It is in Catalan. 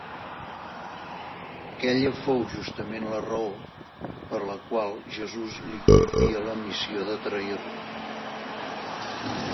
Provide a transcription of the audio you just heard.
Aquella fou justament la raó per la qual Jesús li confia la missió de trair-lo.